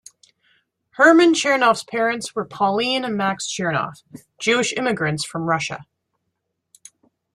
Herman Chernoff's parents were Pauline and Max Chernoff, Jewish immigrants from Russia.